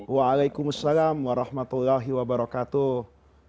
waalaikumsalam warahmatullahi wabarakatuh